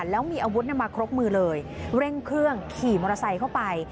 แล้วมีอาวุธมาครบมือเลยเร่งเครื่องขี่มอเตอร์ไซค์เข้าไป